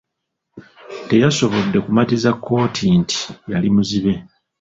Teyasobodde kumatiza kkooti nti yali muzibe.